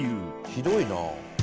「ひどいな」